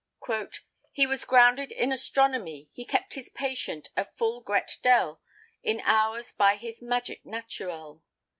——He was grounded in astronomie. He kept his patient a ful gret del In houres by his magike naturel.